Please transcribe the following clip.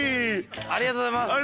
ありがとうございます。